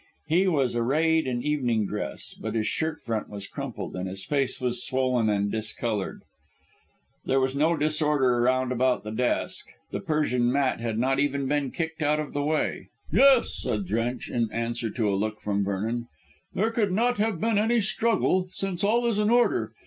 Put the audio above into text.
He was arrayed in evening dress, but his shirt front was crumpled, and his face was swollen and discoloured. There was no disorder round about the desk; the Persian mat had not even been kicked out of the way. "Yes," said Drench in answer to a look from Vernon, "there could not have been any struggle, since all is in order.